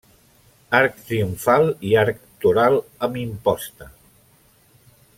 Arc triomfal i arc toral amb imposta.